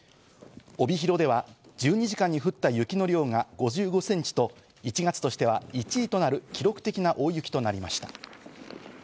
帯広では１２時間に降った雪の量が５５ｃｍと１月としては１位となる記録的な大雪となりました。